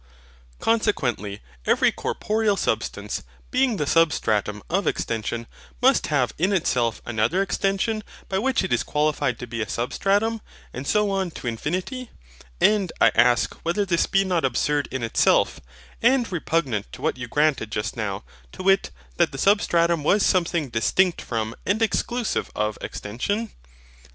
Consequently, every corporeal substance, being the SUBSTRATUM of extension, must have in itself another extension, by which it is qualified to be a SUBSTRATUM: and so on to infinity. And I ask whether this be not absurd in itself, and repugnant to what you granted just now, to wit, that the SUBSTRATUM was something distinct from and exclusive of extension? HYL.